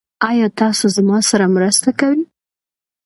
ایا تاسو زما سره مرسته کوئ؟